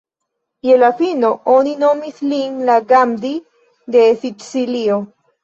Je la fino, oni nomis lin la "Gandhi de Sicilio".